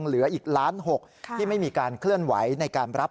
๑๖ล้านบวก๑๒ล้าน